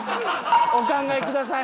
お考えください